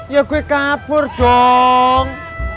ya gue kabur dong